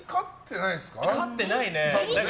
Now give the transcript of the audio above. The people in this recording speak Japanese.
勝ってないね。